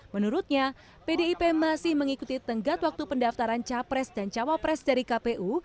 menurutnya pdip masih mengikuti tenggat waktu pendaftaran capres dan cawapres dari kpu